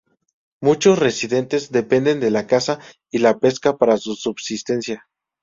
Muchos residentes dependen de la caza y la pesca para su subsistencia.